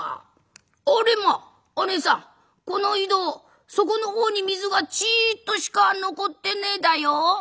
あれまあねさんこの井戸底の方に水がちいっとしか残ってねえだよ」。